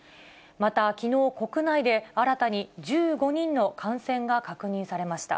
また、きのう国内で、新たに１５人の感染が確認されました。